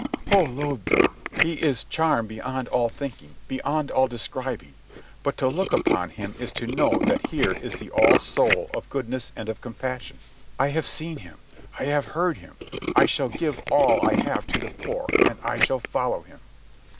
"Oh, Lodbrog, His is charm beyond all thinking, beyond all describing. But to look upon Him is to know that here is the all soul of goodness and of compassion. I have seen Him. I have heard Him. I shall give all I have to the poor, and I shall follow Him."